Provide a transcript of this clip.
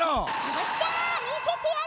よっしゃみせてやれ。